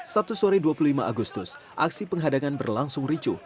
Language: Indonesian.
sabtu sore dua puluh lima agustus aksi penghadangan berlangsung ricu